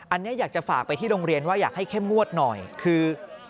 อันนี้อยากจะฝากไปที่โรงเรียนว่าอยากให้เข้มงวดหน่อยคือ